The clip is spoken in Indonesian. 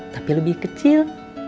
tapi lebih kecil